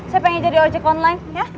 saya pengen jadi ojek online